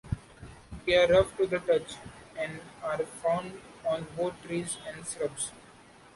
They are rough to the touch, and are found on both trees and shrubs.